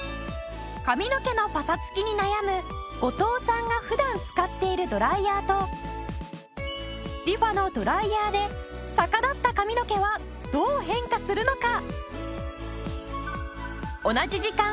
髪の毛のパサつきに悩む後藤さんが普段使っているドライヤーとリファのドライヤーで逆立った髪の毛はどう変化するのか？